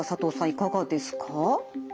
いかがですか？